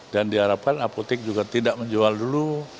diharapkan apotek juga tidak menjual dulu